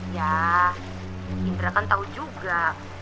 ya indra kan tahu juga